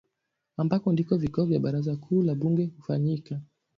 ambako ndiko vikao vya baraza kuu la bunge hufanyika